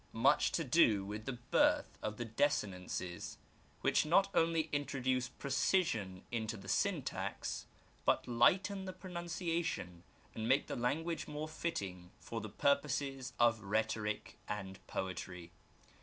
The Arabic Language, 11 much to do with the birth of the desinences, which not only introduce precision into the syntax, but lighten the pronuncia tion and make the language more fitting for the purposes of rhetoric and poetry.